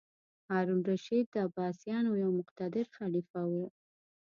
هارون الرشید د عباسیانو یو مقتدر خلیفه و.